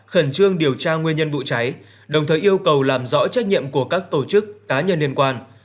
khẩn trương điều tra nguyên nhân vụ cháy đồng thời yêu cầu làm rõ trách nhiệm của các tổ chức cá nhân liên quan